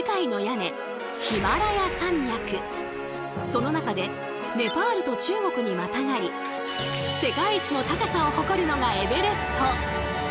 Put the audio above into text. その中でネパールと中国にまたがり世界一の高さを誇るのがエベレスト！